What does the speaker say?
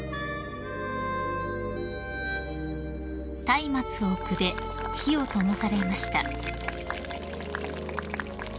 ［たいまつをくべ火をともされました］